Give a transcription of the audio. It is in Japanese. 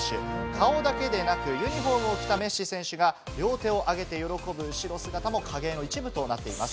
顔だけでなく、ユニホームを着たメッシ選手が両手を挙げて喜ぶ後ろ姿も影絵の一部となっています。